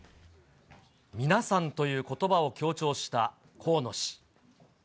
皆さんということばを強調した河野氏。